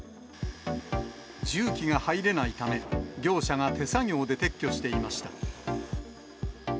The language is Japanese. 重機が入れないため、業者が手作業で撤去していました。